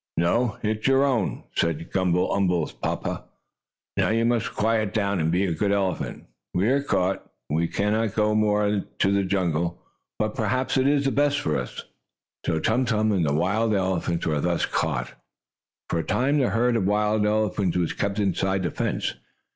"No, it is your own," said Gumble umble's papa. "Now you must quiet down and be a good elephant. We are caught, we can go no more to the jungle, but perhaps it is best for us." So Tum Tum and the wild elephants were thus caught. For a time the herd of wild elephants was kept inside the fence.